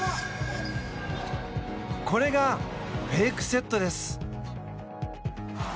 これがフェイクセットです。